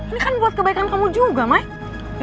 ini kan buat kebaikan kamu juga mai